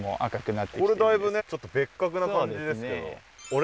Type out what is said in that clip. これだいぶねちょっと別格な感じですけど。